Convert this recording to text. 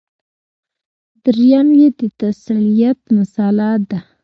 درېیم یې د تثلیث مسله ده.